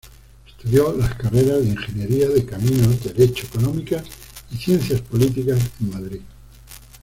Estudió las carreras de Ingeniería de Caminos, Derecho, Económicas y Ciencias Políticas en Madrid.